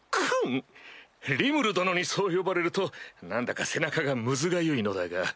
リムル殿にそう呼ばれると何だか背中がむずがゆいのだが。